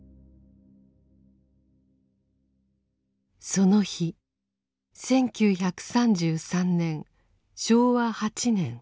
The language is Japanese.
その日１９３３年昭和８年９月２１日。